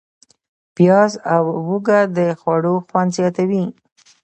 پیاز او هوږه د خوړو خوند زیاتوي.